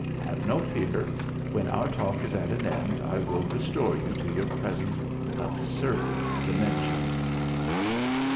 Have no fear: when our talk is at an end I will restore you to your present absurd dimensions."